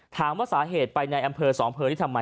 ถามว่าสาเหตุไปในอำเภอ๒อำเภอนี้ทำไม